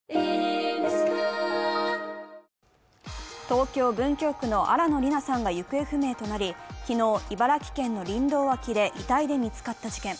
東京・文京区の新野りなさんが行方不明となり、昨日、茨城県の林道脇で遺体で見つかった事件。